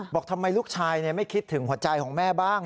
บอกทำไมลูกชายไม่คิดถึงหัวใจของแม่บ้าง